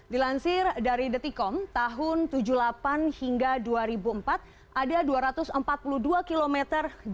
dilansir dari detikom tahun seribu sembilan ratus tujuh puluh delapan hingga dua ribu empat ada dua ratus empat puluh dua km